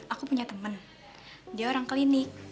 aku punya teman dia orang klinik